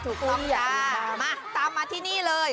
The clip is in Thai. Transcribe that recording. ถูกต้องจ้ามาตามมาที่นี่เลย